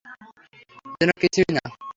যেন কিছুই না।